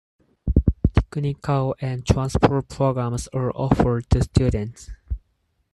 Technical and transfer programs are offered to students.